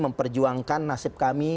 memperjuangkan nasib kami